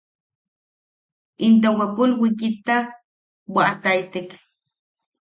Into wepul wikitta bwa’ataitek.